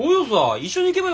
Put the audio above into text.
一緒に行けばよ